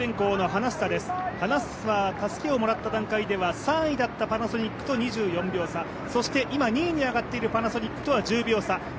花房、たすきをもらった段階では、３位だったパナソニックと２４秒差、そして今２位に上がっているパナソニックとは１０秒差。